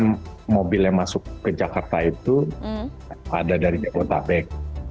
dan mobil yang masuk ke jakarta itu ada dari jakarta bank